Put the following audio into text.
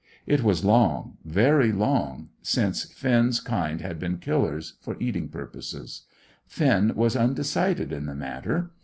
It was long, very long, since Finn's kind had been killers for eating purposes. Finn was undecided in the matter.